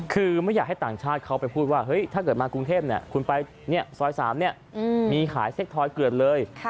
คือไม่อยากให้ต่างชาติเขาไปพูดว่าถ้าเกิดมากรุงเทพคุณไปซอย๓มีขายเซ็กทอยเกือบเลย